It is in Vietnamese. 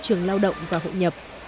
thị trường lao động và hội nhập